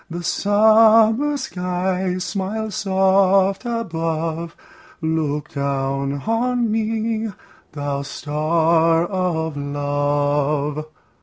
The summer sky smiles soft above; Look down on me, thou star of love!